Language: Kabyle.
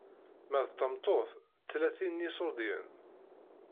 Ma d tameṭṭut, tlatin n iṣurdiyen.